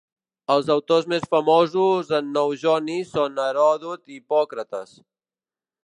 Els autors més famosos en nou joni són Heròdot i Hipòcrates.